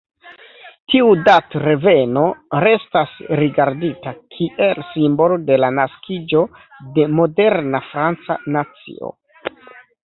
Tiu datreveno restas rigardita kiel simbolo de la naskiĝo de moderna franca nacio.